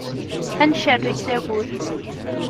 Ad ncerreg tagut.